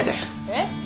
えっ？